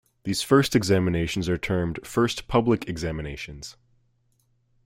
These first examinations are termed "First Public Examinations".